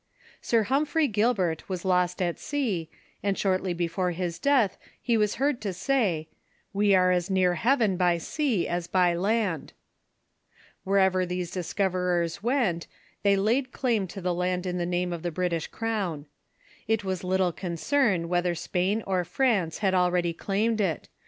Sir Humphrey Gil 442 TFIE CHURCH IN THE UNITED STATES bert was lost at sea, and shortly before his death he was heard to say, " We are as near heaven by sea as by land." Wher ever these discoverers went they laid claim to the land in the name of the British crown. It was little concern whether Spain or France had already claimed it.